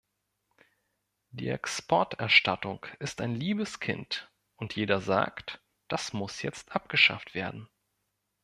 Die Exporterstattung ist ein liebes Kind, und jeder sagt, das muss jetzt abgeschafft werden.